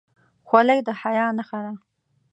خولۍ د حیا نښه ده.